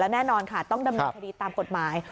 แน่นอนค่ะต้องดำเนินคดีตามกฎหมาย